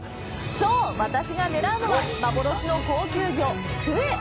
そう、私が狙うのは、幻の高級魚クエ。